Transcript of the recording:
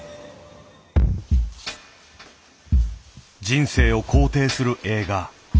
人生を肯定する映画。